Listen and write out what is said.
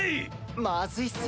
まずいっすよ